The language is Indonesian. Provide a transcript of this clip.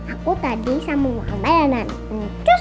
aku tadi sama bayanan